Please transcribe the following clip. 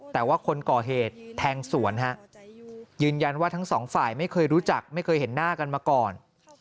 แต่ว่าคนก่อเหตุแทงสวนฮะยืนยันว่าทั้งสองฝ่ายไม่เคยรู้จักไม่เคยเห็นหน้ากันมาก่อน